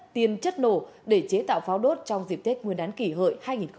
tiền chất nổ để chế tạo pháo đốt trong dịp tết nguyên đán kỷ hợi hai nghìn một mươi chín